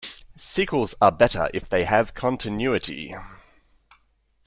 Sequels are better if they have continuity.